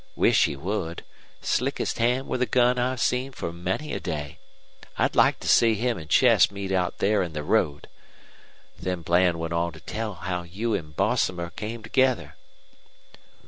Wish he would. Slickest hand with a gun I've seen for many a day! I'd like to see him and Chess meet out there in the road.' Then Bland went on to tell how you and Bosomer came together."